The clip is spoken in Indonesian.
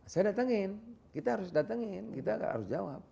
saya datangin kita harus datangin kita harus jawab